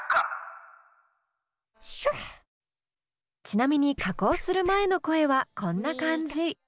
ちなみに加工する前の声はこんな感じ。